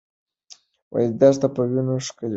دښته په وینو ښکلې سوه.